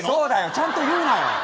ちゃんと言うなよ。